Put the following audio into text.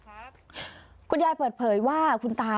ตัวเองก็คอยดูแลพยายามเท็จตัวให้ตลอดเวลา